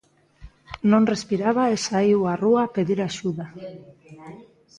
Non respiraba e saíu a rúa a pedir axuda.